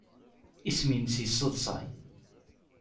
Isem-nnes yesseḍsay.